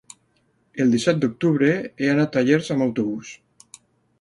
el disset d'octubre he d'anar a Llers amb autobús.